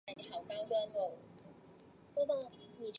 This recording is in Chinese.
别海町为日本北海道根室振兴局野付郡的町。